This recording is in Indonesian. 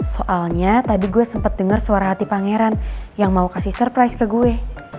soalnya tadi gue sempat dengar suara hati pangeran yang mau kasih surprise ke gue